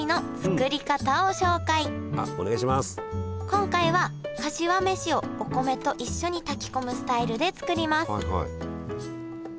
今回はかしわ飯をお米と一緒に炊き込むスタイルで作ります。